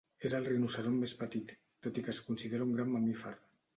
És el rinoceront més petit, tot i que es considera un gran mamífer.